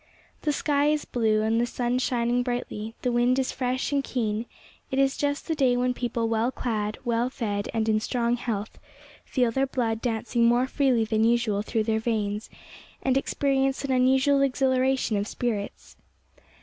The sky is blue, and the sun shining brightly; the wind is fresh and keen; it is just the day when people well clad, well fed, and in strong health, feel their blood dancing more freely than usual through their veins, and experience an unusual exhilaration of spirits.